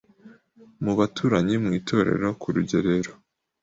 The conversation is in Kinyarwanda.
mu baturanyi, mu itorero, ku rugerero,